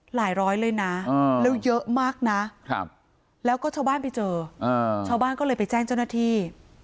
ร้อยเลยนะแล้วเยอะมากนะแล้วก็ชาวบ้านไปเจอชาวบ้านก็เลยไปแจ้งเจ้าหน้าที่